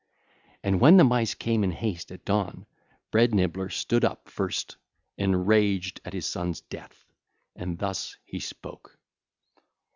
And when the Mice came in haste at dawn, Bread nibbler stood up first, enraged at his son's death, and thus he spoke.